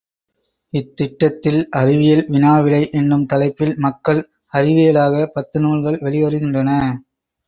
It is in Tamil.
இத்திட்டத்தில் அறிவியல் வினா விடை என்னும் தலைப்பில் மக்கள் அறிவியலாக பத்து நூல்கள் வெளிவருகின்றன.